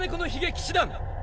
騎士団。